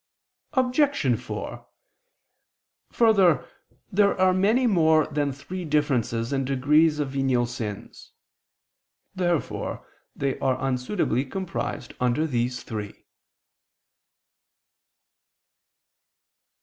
Obj. 4: Further, there are many more than three differences and degrees of venial sins. Therefore they are unsuitably comprised under these three.